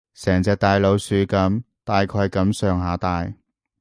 成隻大老鼠噉，大概噉上下大